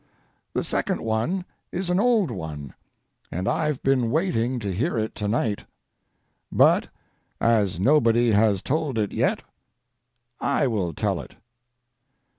The second one is an old one, and I've been waiting to hear it to night; but as nobody has told it yet, I will tell it.